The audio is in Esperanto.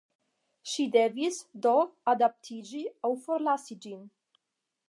Ŝi devis, do, adaptiĝi aŭ forlasi ĝin.